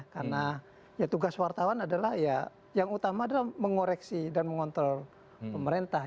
karena tugas wartawan adalah yang utama mengoreksi dan mengontrol pemerintah